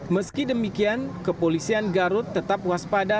meski demikian kepolisian garut tetap waspada